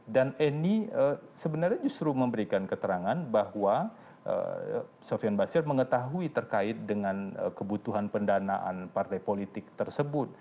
eni sebenarnya justru memberikan keterangan bahwa sofian basir mengetahui terkait dengan kebutuhan pendanaan partai politik tersebut